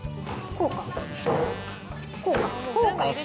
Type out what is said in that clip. こうか。